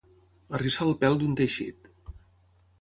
Arrissar el pèl d'un teixit.